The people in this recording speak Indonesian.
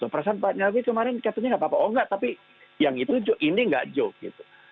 terus perasaan pak nyarwi kemarin katanya nggak apa apa oh nggak tapi yang itu joke ini nggak joke